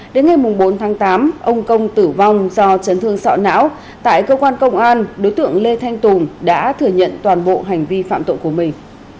đến ngày bốn tháng tám ông công tử vong do chấn thương sọ não tại cơ quan công an đối tượng lê thanh tùng đã thừa nhận toàn bộ hành vi phạm tội của mình